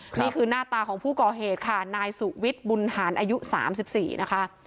นี่คือหน้าตาของผู้ก่อเหตุค่ะนายสุวิทย์บุญหารอายุ๓๔นะคะ